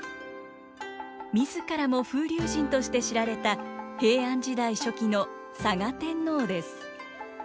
自らも風流人として知られた平安時代初期の嵯峨天皇です。